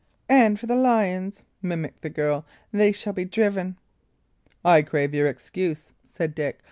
"And for the lions," mimicked the girl, "they shall be driven." "I crave your excuse," said Dick.